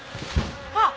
あっ！